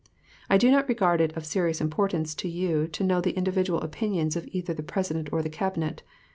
I do not regard it of serious importance to you to know the individual opinions of either the President or the Cabinet.